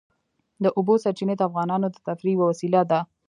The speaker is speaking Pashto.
د اوبو سرچینې د افغانانو د تفریح یوه وسیله ده.